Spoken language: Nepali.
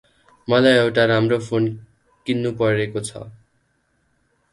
मलाइ एउटा राम्रो फोन किन्नुपरेको छ ।